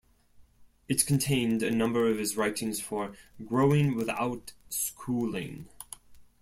It contained a number of his writings for "Growing Without Schooling".